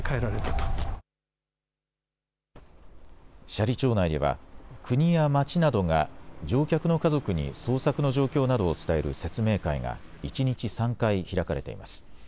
斜里町内では国や町などが乗客の家族に捜索の状況などを伝える説明会が一日３回開かれています。